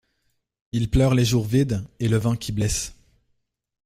Il pleure les jours vides et le vent qui blesse.